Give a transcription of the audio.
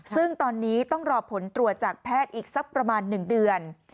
ซึ่งตอนนี้ต้องรอผลตรวจจากแพทย์อีกสักประมาณ๑เดือน